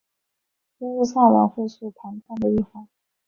耶路撒冷会是谈判的一环。